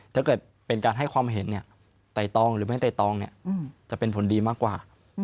ถ้าเกิดเป็นการให้ความเห็นไต่ตองหรือไม่ไตตองจะเป็นผลดีมากกว่า